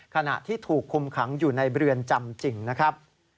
ขณะที่ถูกคุมขังอยู่ในเรือนจำจริงนะครับ